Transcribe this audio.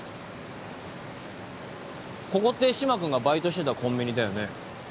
ここって嶋君がバイトしてたコンビニだよね。